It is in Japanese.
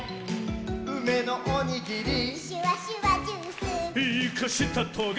「うめのおにぎり」「シュワシュワジュース」「イカしたトゲ」